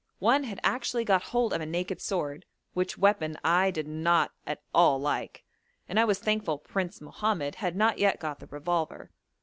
One had actually got hold of a naked sword, which weapon I did not at all like, and I was thankful 'Prince' Mohammed had not yet got the revolver.